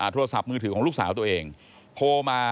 โทรศัพท์มือถือของลูกสาวตัวเองโทรมา